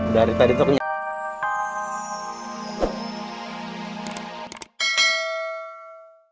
dari tadi tuh kenyataan